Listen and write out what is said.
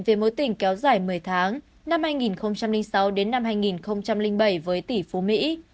về mối tình kéo dài một mươi tháng năm hai nghìn sáu hai nghìn bảy với tỷ phú mỹ